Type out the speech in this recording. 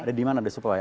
ada di mana ada supply